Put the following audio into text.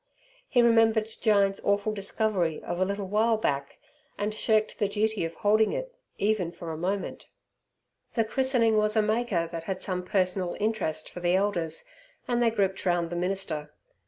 He remembered Jyne's awful discovery of a little while back, and shirked the duty of holding it even for a moment. The christening was a maker that had some personal interest for the elders, and they grouped round the minister.